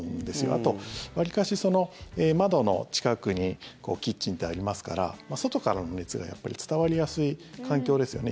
あと、わりかし窓の近くにキッチンってありますから外からの熱が、やっぱり伝わりやすい環境ですよね。